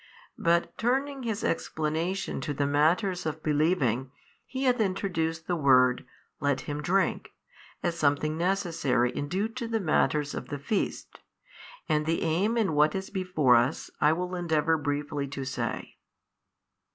But turning His explanation to the matters of believing, He hath introduced the word, let him drink, as something |543 necessary and due to the matters of the feast. And the aim in what is before us I will endeavour briefly to say.